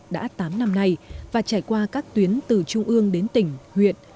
đã tám năm nay và trải qua các tuyến từ trung ương đến tỉnh huyện